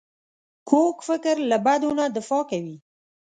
کوږ فکر له بدو نه دفاع کوي